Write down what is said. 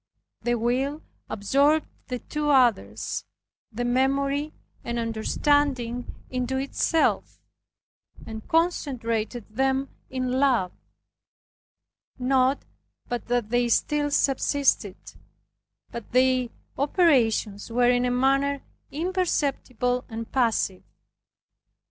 The will, absorbed the two others, the memory and understanding into itself, and concentrated them in LOVE; not but that they still subsisted, but their operations were in a manner imperceptible and passive.